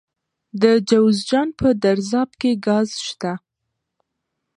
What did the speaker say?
د جوزجان په درزاب کې ګاز شته.